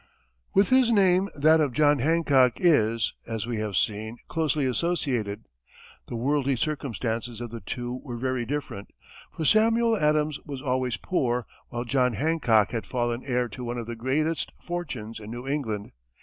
With his name that of John Hancock is, as we have seen, closely associated. The worldly circumstances of the two were very different, for Samuel Adams was always poor, while John Hancock had fallen heir to one of the greatest fortunes in New England.